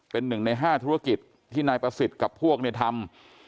เป็นหนึ่งใน๕ธุรกิจที่นายประสิทธิ์กับพวกทำ